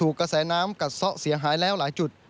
กระแสน้ำกัดซะเสียหายแล้วหลายจุด